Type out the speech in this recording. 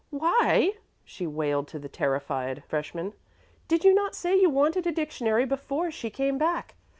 "Why," she wailed to the terrified freshman, "did you not say you wanted a dictionary before she came back?